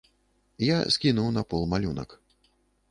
Я скінуў на пол малюнак.